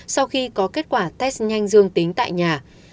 sau khi có kết quả test nhanh dương tính tại nhà